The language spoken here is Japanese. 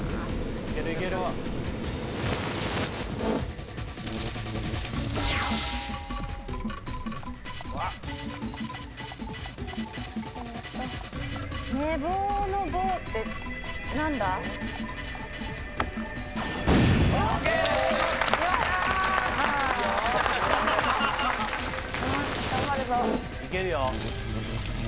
いけるよ。